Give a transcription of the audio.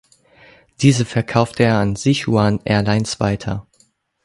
Diese verkaufte er an Sichuan Airlines weiter.